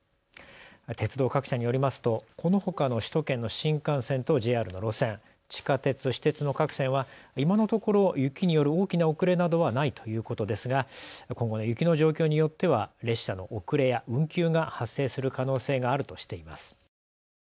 鉄道各社によりますとこのほかの首都圏の新幹線とＪＲの路線、地下鉄、私鉄の各線は今のところ雪による大きな遅れなどはないということですが今後の雪の状況によっては列車の遅れや運休が発生する可能性があるとしています。